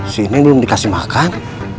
sini belum dikasih makan